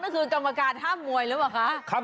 คักหลังภาคมวยหรือป่ะคะ